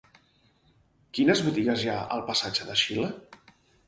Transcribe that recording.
Quines botigues hi ha al passatge de Xile?